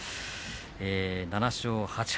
７勝８敗